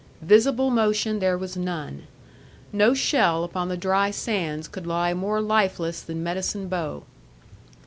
Visible motion there was none. No shell upon the dry sands could lie more lifeless than Medicine Bow.